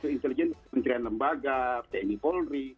intelijen kementerian lembaga tni polri